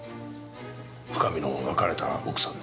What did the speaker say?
深見の別れた奥さんの。